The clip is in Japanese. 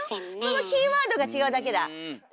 そのキーワードが違うだけだ。